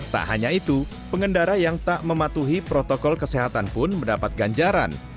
tak hanya itu pengendara yang tak mematuhi protokol kesehatan pun mendapat ganjaran